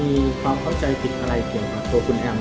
มีความเข้าใจผิดอะไรเกี่ยวกับตัวคุณแอม